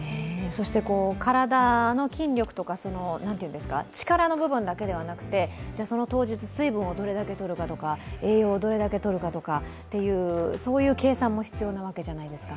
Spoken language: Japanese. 体の筋力とか、力の部分だけではなくて、その当日、水分をどれだけとるかとか、栄養をどれだけとるかとかそういう計算も必要なわけじゃないですか。